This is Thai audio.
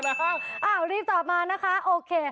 อ้าวรีบตอบมานะคะโอเค